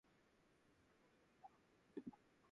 流行りはめぐってくる